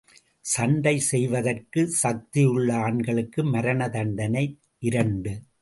சண்டை செய்வதற்குச் சக்தியுள்ள ஆண்களுக்கு மரண தண்டனை இரண்டு.